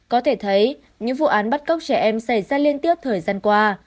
có thể thấy những vụ án bắt cóc trẻ em xảy ra liên tiếp thời gian qua